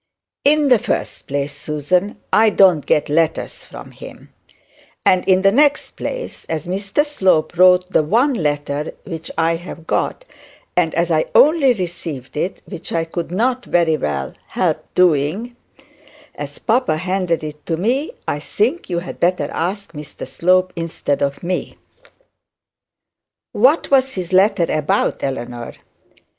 'In the first place, Susan, I don't get letters from him; and in the next place, as Mr Slope wrote the one letter which I have got, and as I only received it, which I could not very well help doing, as papa handed it to me, I think you had better ask Mr Slope instead of me.' 'What was the letter about, Eleanor?'